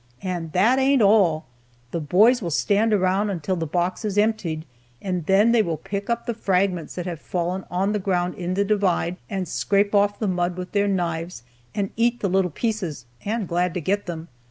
And that ain't all. The boys will stand around until the box is emptied, and then they will pick up the fragments that have fallen to the ground in the divide, and scrape off the mud with their knives, and eat the little pieces, and glad to get them.